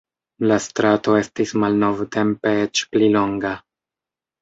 La strato estis malnovtempe eĉ pli longa.